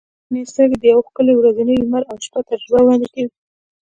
• شنې سترګې د یوې ښکلي ورځنۍ لمر او شپه تجربه وړاندې کوي.